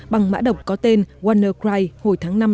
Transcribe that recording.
bằng mã độc có tên wannacry hồi tháng năm năm hai nghìn một mươi bảy